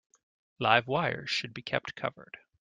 Live wires should be kept covered.